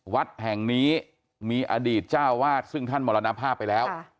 วัดแห่งนี้มีอดีตเจ้าวาดซึ่งท่านมรณภาพไปแล้ว